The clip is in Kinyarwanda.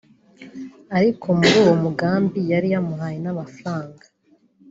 ariko muri uwomugambi yari yamuhaye n’amafaranga